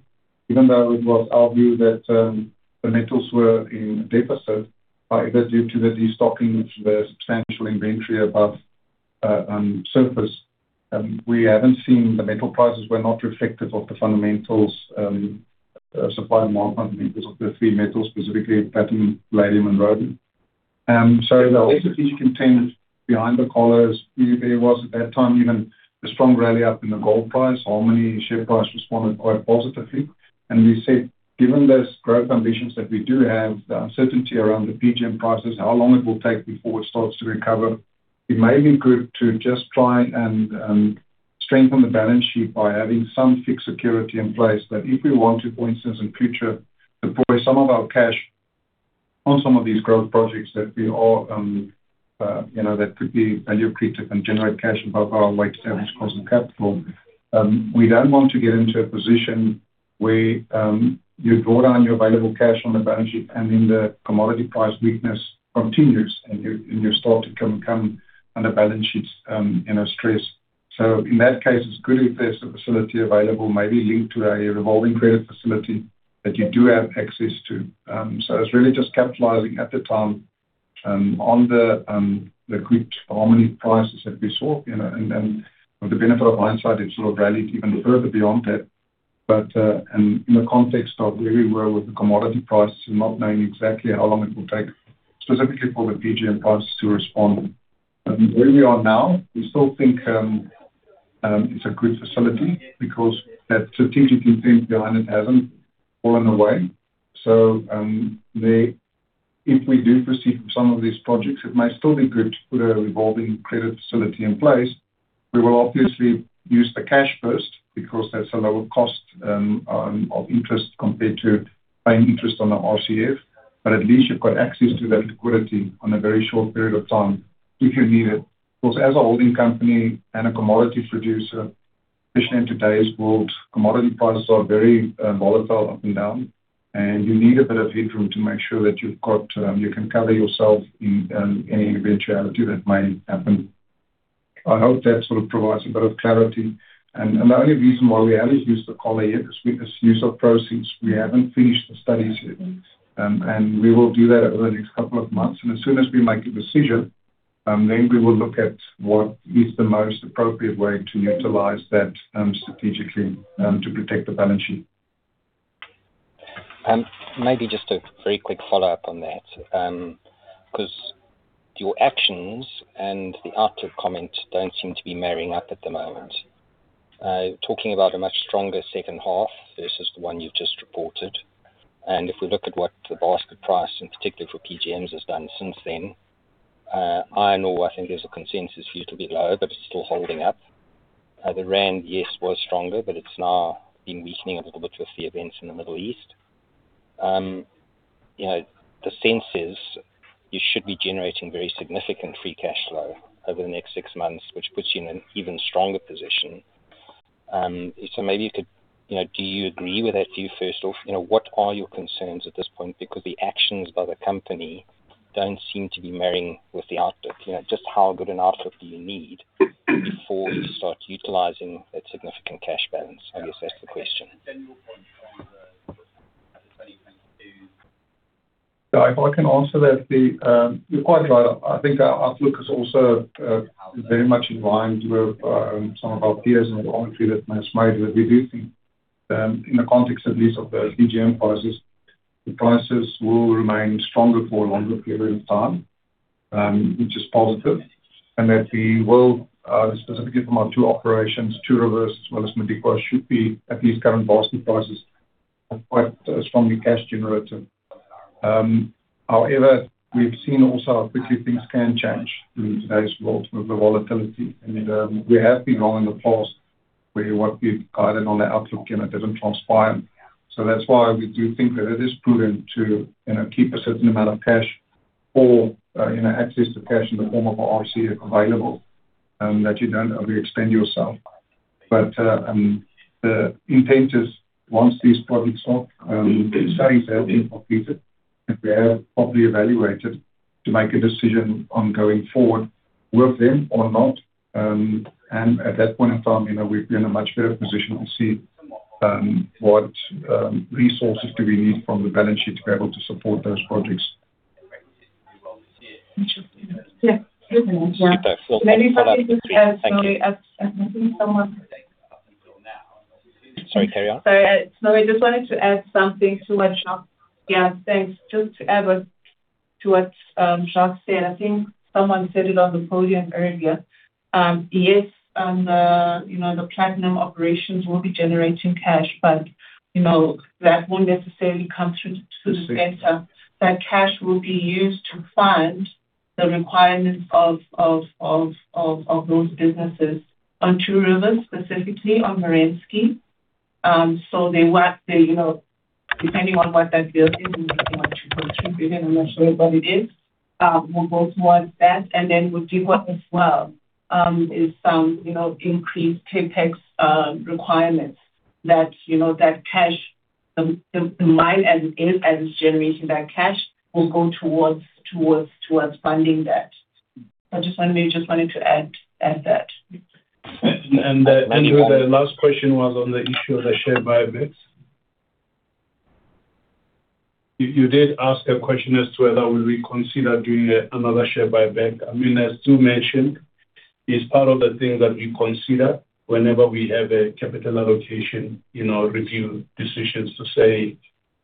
even though it was our view that the metals were in deficit, either due to the destocking, which was substantial inventory above on surface, we haven't seen the metal prices were not reflective of the fundamentals, supply and market because of the three metals, specifically platinum, palladium, and rhodium. The strategic intent behind the collars, there was at that time, even a strong rally up in the gold price, Harmony share price responded quite positively. We said, given those growth ambitions that we do have, the uncertainty around the PGM prices, how long it will take before it starts to recover, it may be good to just try and strengthen the balance sheet by having some fixed security in place. If we want to, for instance, in future, deploy some of our cash on some of these growth projects that we are, you know, that could be value creative and generate cash above our cost of capital. We don't want to get into a position where you draw down your available cash on the balance sheet and then the commodity price weakness continues and you start to come under balance sheets, you know, stress. In that case, it's good if there's a facility available maybe linked to a revolving credit facility that you do have access to. It's really just capitalizing at the time on the quick Harmony prices that we saw, you know. With the benefit of hindsight, it sort of rallied even further beyond that. In the context of where we were with the commodity prices and not knowing exactly how long it will take, specifically for the PGM prices to respond. Where we are now, we still think it's a good facility because that strategic intent behind it hasn't gone away. If we do proceed with some of these projects, it may still be good to put a revolving credit facility in place. We will obviously use the cash first because that's a lower cost of interest compared to paying interest on the RCF. At least you've got access to that liquidity on a very short period of time if you need it. As a holding company and a commodity producer, especially in today's world, commodity prices are very volatile up and down, and you need a bit of headroom to make sure that you've got, you can cover yourself in any eventuality that may happen. I hope that sort of provides a bit of clarity. The only reason why we haven't used the call yet is because use of proceeds, we haven't finished the studies yet. We will do that over the next couple of months. As soon as we make a decision, we will look at what is the most appropriate way to utilize that strategically to protect the balance sheet. Maybe just a very quick follow-up on that. Because your actions and the outlook comments don't seem to be marrying up at the moment. Talking about a much stronger second half versus the one you've just reported. If we look at what the basket price, in particular for PGMs, has done since then, iron ore, I think there's a consensus view to be lower, but it's still holding up. The rand, yes, was stronger, but it's now been weakening a little bit with the events in the Middle East. You know, the sense is you should be generating very significant free cash flow over the next six months, which puts you in an even stronger position. Maybe you could, you know... Do you agree with that view, first off? You know, what are your concerns at this point? The actions by the company don't seem to be marrying with the outlook. You know, just how good an outlook do you need for you to start utilizing that significant cash balance? I guess that's the question. Yeah. If I can answer that. You're quite right. I think our outlook is also very much in line with some of our peers in the commentary that has made that we do think in the context at least of the PGM prices, the prices will remain stronger for a longer period of time, which is positive. That we will specifically from our two operations, Two Rivers as well as Mponeng, should be at least current spot prices, are quite strongly cash generative. However, we've seen also how quickly things can change in today's world with the volatility. We have been wrong in the past where what we've guided on the outlook, you know, doesn't transpire. That's why we do think that it is prudent to, you know, keep a certain amount of cash or, you know, access to cash in the form of a RCF available, that you don't overextend yourself. The intent is once these projects are, studies have been completed and they are properly evaluated to make a decision on going forward with them or not, and at that point in time, you know, we'll be in a much better position to see, what resources do we need from the balance sheet to be able to support those projects. Yeah. Thank you. Maybe if I could just add, sorry, I think. Sorry, carry on. Sorry. No, I just wanted to add something to what Jacques... Yeah, thanks. Just to add to what Jacques said, I think someone said it on the podium earlier. Yes, on the, you know, the platinum operations will be generating cash, but, you know, that won't necessarily come through to the center. That cash will be used to fund the requirements of those businesses. On Two Rivers, specifically on Merensky, so depending on what that build is, it might be ZAR 1 billion, ZAR 2 billion, ZAR 3 billion, I'm not sure what it is, will go towards that and then Mponeng as well, is, you know, increased CapEx requirements. That, you know, that cash, the mine as is, as it's generating that cash, will go towards funding that. I just wanted to add that. Anyway, the last question was on the issue of the share buybacks. You did ask a question as to whether we reconsider doing another share buyback. I mean, as Stu mentioned, it's part of the things that we consider whenever we have a capital allocation, you know, review decisions to say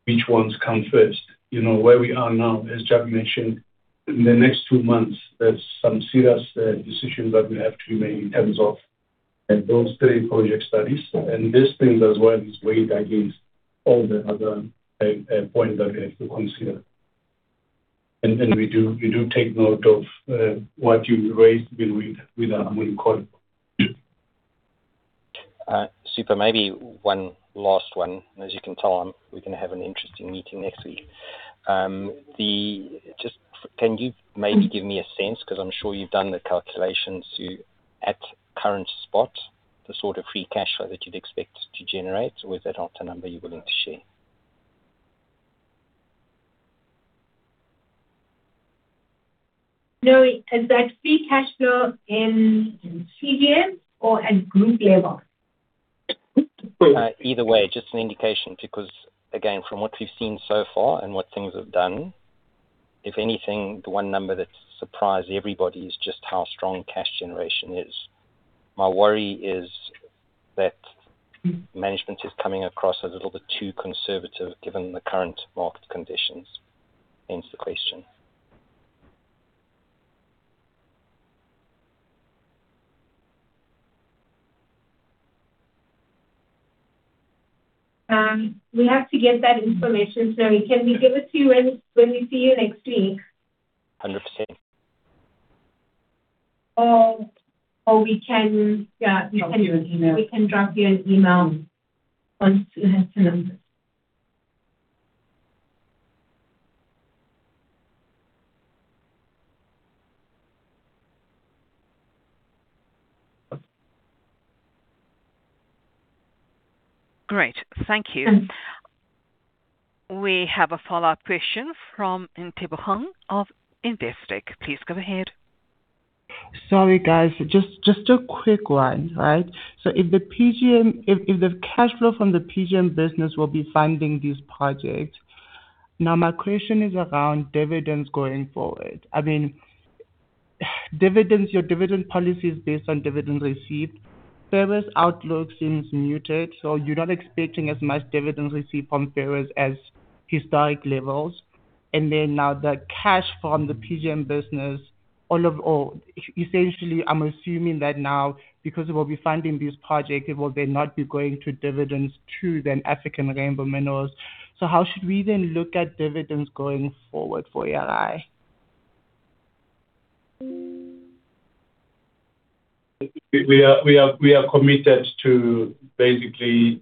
which ones come first. You know, where we are now, as Jacques mentioned, in the next two months, there's some serious decisions that we have to make in terms of those three project studies. This thing as well is weighed against all the other points that we have to consider. We do take note of what you raised with our earnings call. Super. Maybe one last one. As you can tell, we're gonna have an interesting meeting next week. Just can you maybe give me a sense, 'cause I'm sure you've done the calculations to, at current spot, the sort of free cash flow that you'd expect to generate with that after number you're willing to share? No, is that free cash flow in PGM or at group level? Either way, just an indication. Again, from what we've seen so far and what things have done, if anything, the one number that's surprised everybody is just how strong cash generation is. My worry is that management is coming across a little bit too conservative given the current market conditions. Hence the question. We have to get that information. Can we give it to you when we see you next week? 100%. We can. Send you an email. We can drop you an email once we have the numbers. Great. Thank you. We have a follow-up question from Ntebogang Segone of Investec. Please go ahead. Sorry, guys. Just a quick one, right. If the PGM if the cash flow from the PGM business will be funding this project, now my question is around dividends going forward. I mean, dividends, your dividend policy is based on dividend receipt. Ferrous outlook seems muted, you're not expecting as much dividend receipt from ferrous as historic levels. Now the cash from the PGM business, essentially, I'm assuming that now, because it will be funding this project, it will then not be going to dividends to then African Rainbow Minerals. How should we then look at dividends going forward for ARI? We are committed to basically,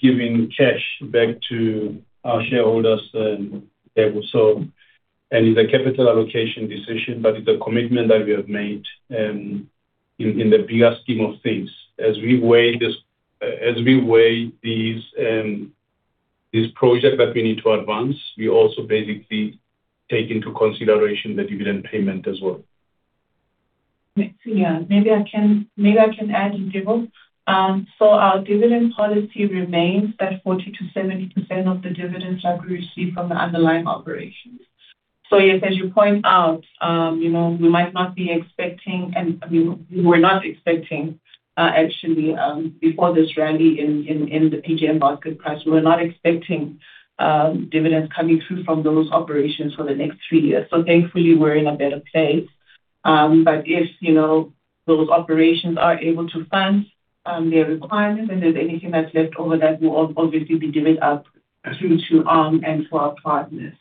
giving cash back to our shareholders, so. It's a capital allocation decision, but it's a commitment that we have made, in the bigger scheme of things. As we weigh these, this project that we need to advance, we also basically take into consideration the dividend payment as well. Yeah. Maybe I can, maybe I can add in, Ntebo. Our dividend policy remains that 40%-70% of the dividends that we receive from the underlying operations. Yes, as you point out, you know, we might not be expecting and, I mean, we were not expecting, actually, before this rally in, in the PGM market price. We were not expecting dividends coming through from those operations for the next three years. Thankfully, we're in a better place. If, you know, those operations are able to fund their requirements and there's anything that's left over, that will obviously be given up through to and to our partners.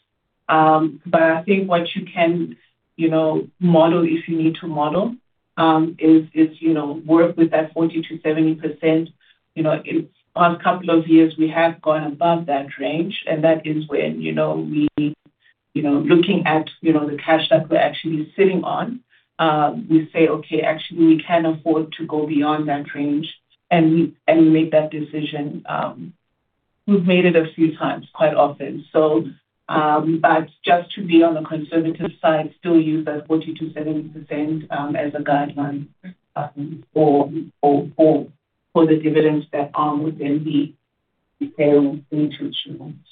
I think what you can, you know, model if you need to model, is, you know, work with that 40%-70%. You know, in the past couple of years, we have gone above that range, and that is when, you know, we, you know, looking at, you know, the cash that we're actually sitting on, we say, "Okay, actually, we can afford to go beyond that range." We make that decision. We've made it a few times, quite often. But just to be on the conservative side, still use that 40%-70% as a guideline for the dividends that would then be paid into issuance.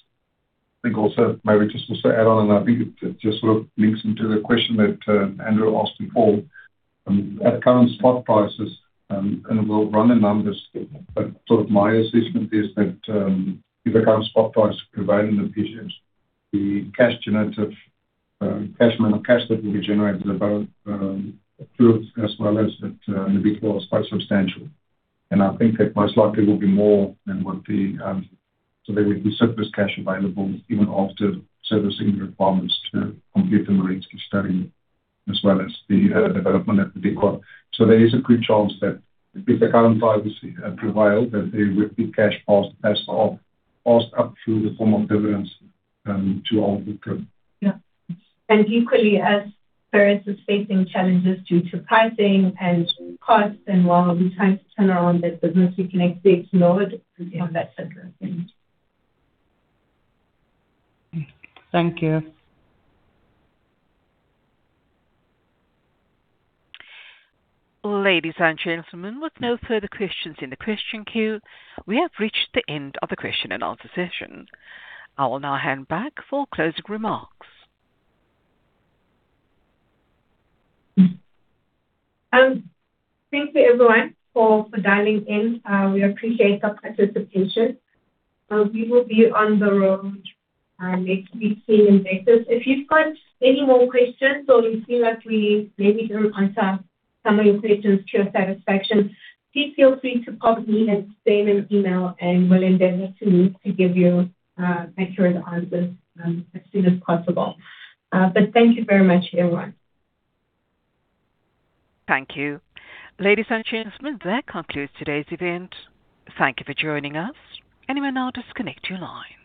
I think also maybe just also add on, I think it just sort of links into the question that Andrew asked before. At current spot prices, we'll run the numbers, sort of my assessment is that if the current spot price prevailing the PGMs, the cash generative amount of cash that will be generated about, as well as at, in the Big Hole, is quite substantial. I think that most likely will be more than what the, there will be surplus cash available even after servicing requirements to complete the Merensky study as well as the development at the Big Hole. There is a good chance that if the current prices prevail, that there will be cash flows passed off, passed up through the form of dividends to our group. Yeah. Equally, as Ferrous is facing challenges due to pricing and costs, and while we try to turn around that business, we can expect no dividend from that center. Thank you. Ladies and gentlemen, with no further questions in the question queue, we have reached the end of the question and answer session. I will now hand back for closing remarks. Thank you everyone for dialing in. We appreciate your participation. We will be on the road next week seeing investors. If you've got any more questions or you feel like we maybe didn't answer some of your questions to your satisfaction, please feel free to pop me and Shane an email, and we'll endeavor to give you accurate answers as soon as possible. Thank you very much, everyone. Thank you. Ladies and gentlemen, that concludes today's event. Thank you for joining us. You may now disconnect your line.